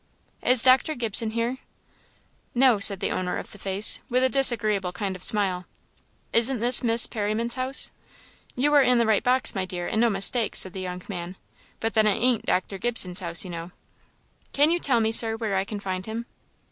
"Is Dr. Gibson here?" "No," said the owner of the face, with a disagreeable kind of smile. "Isn't this Miss Perriman's house?" "You are in the right box, my dear, and no mistake," said the young man; "but then it ain't Dr. Gibson's house, you know." "Can you tell me, Sir, where I can find him?"